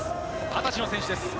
二十歳の選手です。